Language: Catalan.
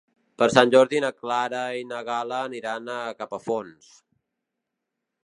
Per Sant Jordi na Clara i na Gal·la aniran a Capafonts.